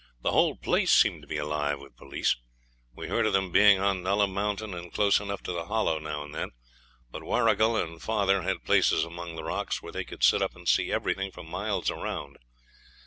The whole place seemed to be alive with police. We heard of them being on Nulla Mountain and close enough to the Hollow now and then. But Warrigal and father had places among the rocks where they could sit up and see everything for miles round.